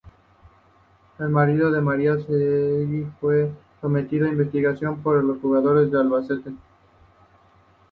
El marido de María Seguí fue sometido a investigación por los juzgados de Albacete.